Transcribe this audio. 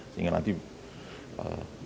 sehingga nanti perusahaan ini diduga